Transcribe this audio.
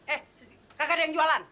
eh kakak ada yang jualan